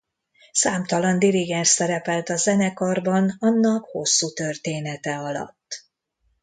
Számtalan dirigens szerepelt a zenekarban annak hosszú története alatt.